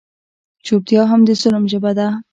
چوپتیا هم د ظلم ژبه ده.